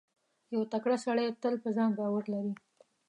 • یو تکړه سړی تل پر ځان باور لري.